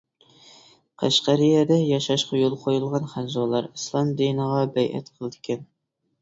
قەشقەرىيەدە ياشاشقا يول قويۇلغان خەنزۇلار ئىسلام دىنىغا بەيئەت قىلىدىكەن.